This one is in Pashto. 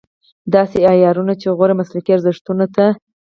داسې عیاروي چې غوره مسلکي ارزښتونو ته.